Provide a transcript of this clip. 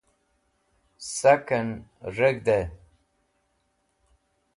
sak'en reg̃hd'ey